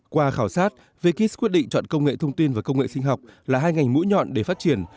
qua khảo sát vekis quyết định chọn công nghệ thông tin và công nghệ sinh học là hai ngành mũi nhọn để phát triển